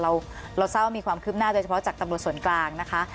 เราเศร้ามีความคืบหน้าโดยเฉพาะจากตำรวจส่วนกลางนะคะ